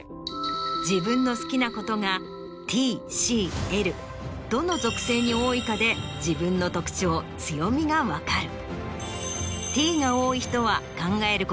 自分の好きなことがＴＣＬどの属性に多いかで自分の特徴強みが分かる。